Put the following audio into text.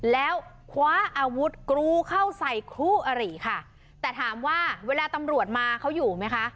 แล้วคว้าอาวุธกรูเข้าใส่คู่อริค่ะแต่ถามว่าเวลาตำรวจมาเขาอยู่ไหมคะ